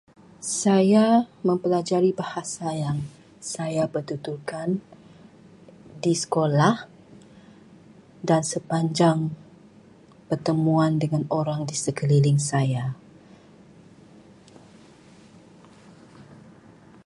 Saya mempelajari bahasa yang saya pertuturkan di sekolah dan sepanjang pertemuan dengan orang di sekeliling saya.